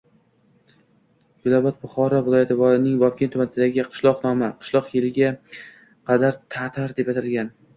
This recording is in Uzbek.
Gulrabot – Buxoro viloyatining Vobkent tumanidagi qishloq nomi. Qishloq yilga qadar Tatar deb atalgan.